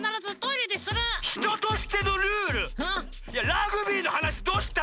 ラグビーのはなしどうした？